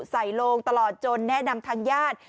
โลงตลอดจนแนะนำทางญาติ